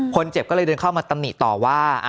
คนเจ็บก็เลยเดินเข้ามาตำหนิต่อว่า